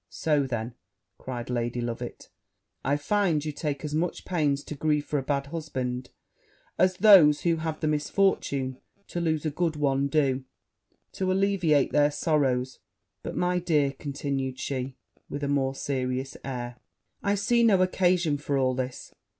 'So, then,' cried Lady Loveit, 'I find you take as much pains to grieve for a bad husband, as those who have the misfortune to lose a good one do to alleviate their sorrows: but, my dear,' continued she, with a more serious air, 'I see no occasion for all this.